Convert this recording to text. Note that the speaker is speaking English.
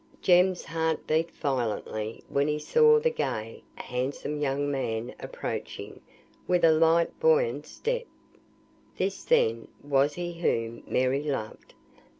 Jem's heart beat violently when he saw the gay, handsome young man approaching, with a light, buoyant step. This, then, was he whom Mary loved.